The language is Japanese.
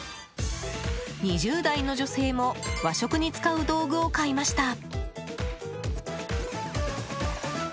２０代の女性も和食に使う道具を買いました。